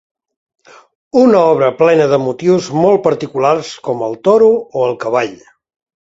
Una obra plena de motius molt particulars com el toro o el cavall.